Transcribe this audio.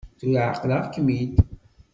Tura εeqleɣ-kem-id.